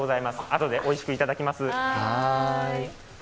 あとでおいしく頂きます。